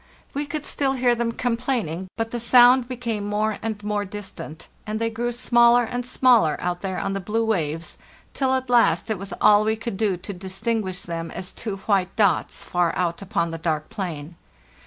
We could still hear them complaining, but the sound became more and more distant, and they grew smaller and smaller out there on the blue waves, till at last it was all we could do to distinguish them as two white dots far out upon the dark plain.